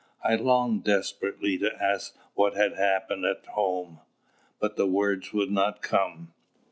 I longed desperately to ask what had happened at home, but the words would not come.